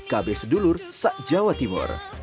kabeh sedulur se jawa timur